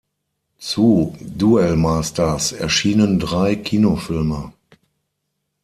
Zu Duel Masters erschienen drei Kinofilme.